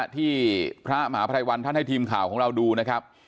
ที่พระมหาภัยวันท่านให้ทีมข่าวของเราดูนะครับ